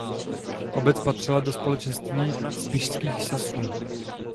Obec patřila do Společenství spišských Sasů.